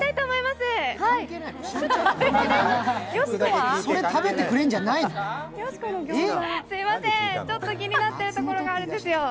すみません、ちょっと気になっているところがあるんですよ。